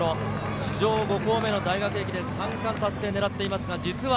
史上５校目の大学駅伝三冠達成を狙っています。